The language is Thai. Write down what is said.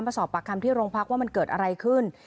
มาสอบปากคำที่โรงพักว่ามันเกิดอะไรขึ้น